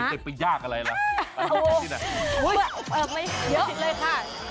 เบื้องหลังเหรอเอาไว้เจ็บไปยากอะไรล่ะ